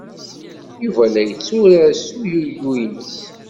Yuba la yetturar s uyuyu-nnes.